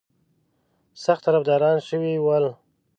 سخت طرفداران شوي ول.